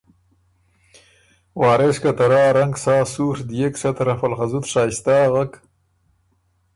وارث که ته رۀ ا رنګ سا سُوڒ ديېک سۀ طرفه ل خه زُت شائِستۀ اغک،